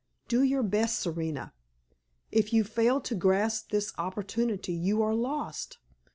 Do your best, Serena. If you fail to grasp this opportunity, you are lost.